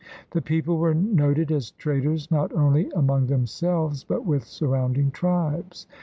The people were noted as traders not only among themselves but with surrounding tribes.